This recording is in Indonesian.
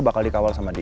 bakal dikawal sama dia